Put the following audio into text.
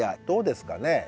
どうですかね。